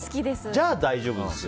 じゃあ大丈夫ですよ。